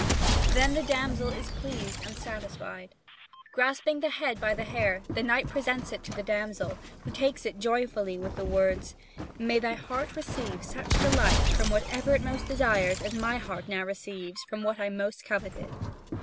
Then the damsel is pleased and satisfied. Grasping the head by the hair, the knight presents it to the damsel, who takes it joyfully with the words: "May thy heart receive such delight from whatever it most desires as my heart now receives from what I most coveted.